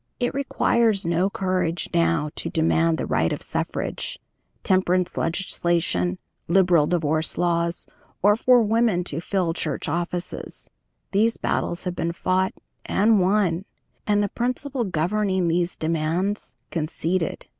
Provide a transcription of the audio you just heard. It requires no courage now to demand the right of suffrage, temperance legislation, liberal divorce laws, or for women to fill church offices these battles have been fought and won and the principle governing these demands conceded.